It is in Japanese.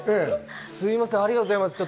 すみません、ありがとうございます。